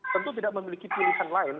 tentu tidak memiliki pilihan lain